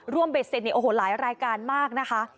ร่วมเบ็ดเสร็จในโอ้โหหลายรายการมากนะคะ